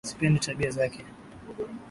Sipendi tabia zake